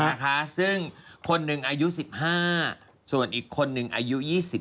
นะคะซึ่งคนหนึ่งอายุ๑๕ส่วนอีกคนนึงอายุ๒๓